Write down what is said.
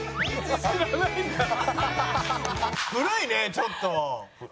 古いねちょっと。